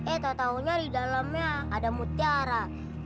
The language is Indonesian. eh tak tahunya di dalamnya ada mutiara